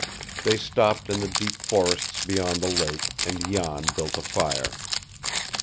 They stopped in the deep forests beyond the lake and Jan built a fire.